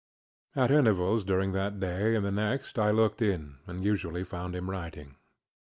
ŌĆØ At intervals during that day and the next I looked in, and usually found him writing.